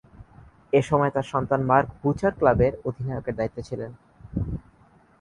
এ সময়ে তার সন্তান মার্ক বুচার ক্লাবের অধিনায়কের দায়িত্বে ছিলেন।